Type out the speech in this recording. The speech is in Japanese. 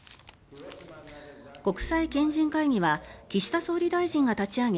国際賢人会議は岸田総理大臣が立ち上げ